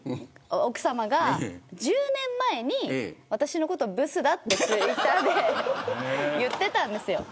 奥さまが１０年前に私のことをブスだってツイッターで言ってたんですよ。